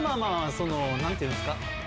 そのなんていうんですか